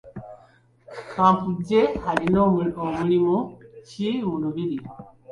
Kampujje alina mulimu ki mu lubiri?